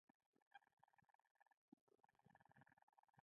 خپل ژوند یې ښه کړی دی.